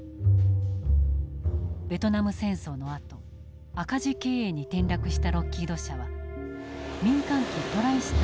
ベトナム戦争のあと赤字経営に転落したロッキード社は民間機トライ